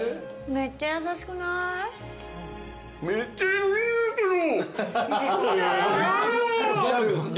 めっちゃ優しいんですけど。